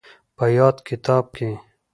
په ياد کتاب کې